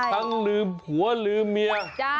ทั้งลืมผัวลืมเมีย